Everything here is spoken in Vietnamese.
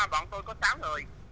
bọn tôi có sáu người